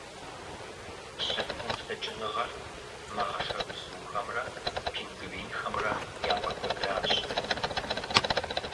Лъэтэн лъэкӀыныгъэр махъшэбзухэмрэ пингвинхэмрэ яфӀэкӀуэдащ.